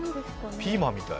ピーマンみたい。